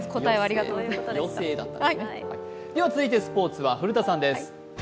続いてスポーツは古田さんです。